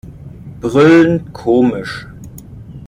Brüllend komisch.